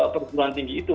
perguruan tinggi itu